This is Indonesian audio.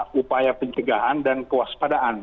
upaya pencegahan dan kewaspadaan